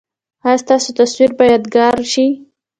ایا ستاسو تصویر به یادګار شي؟